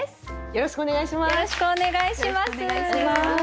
よろしくお願いします。